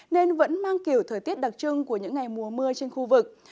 nên vẫn mang kiểu thời tiết đặc trưng của những ngày mùa mưa trên khu vực